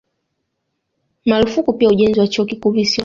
Marufuku pia ujenzi wa Chuo Kikuu Visiwani